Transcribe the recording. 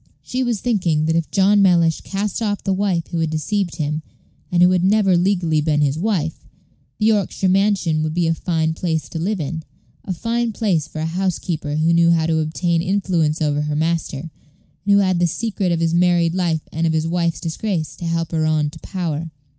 She was thinking that if John Mellish cast off the wife who had deceived him, and who had never legally been his wife, the Yorkshire mansion would be a fine place to live in; a fine place for a housekeeper who knew how to obtain influence over her master, and who had the secret of his married life and of his wife's disgrace to help her on to power.